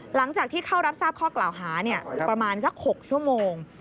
หลังจากที่เข้ารับทราบข้อกล่าวหาประมาณสัก๖ชั่วโมง